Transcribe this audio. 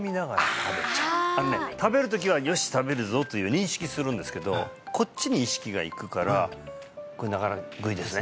食べる時はよし食べるぞという認識するんですけどこっちに意識がいくからこれながら食いですね？